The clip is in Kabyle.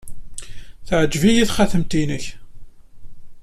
Teɛjeb-iyi txatemt-nnek.